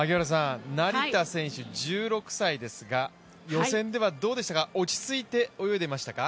成田選手、１６歳ですが予選ではどうでしたか、落ち着いて泳いでいましたか？